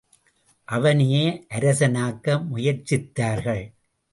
அவனையே அரசனாக்க முயற்சித்தார்கள்.